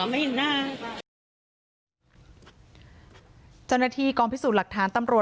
บินทรศีลสภัพธิการ